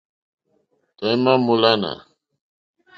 Tɔ̀ímá mǃólánà.